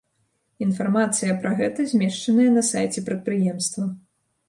Інфармацыя пра гэта змешчаная на сайце прадпрыемства.